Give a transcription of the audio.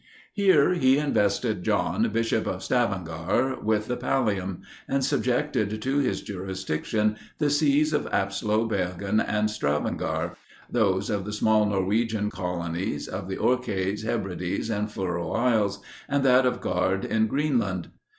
Here, he invested John, Bishop of Stavanger, with the Pallium; and subjected to his jurisdiction the sees of Apsloe, Bergen, and Stavanger, those of the small Norwegian colonies, of the Orcades, Hebrides, and Furo Isles, and that of Gaard in Greenland.